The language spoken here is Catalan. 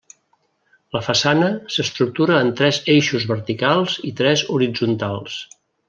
La façana s'estructura en tres eixos verticals i tres horitzontals.